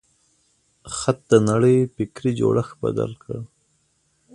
خط د نړۍ فکري جوړښت بدل کړ.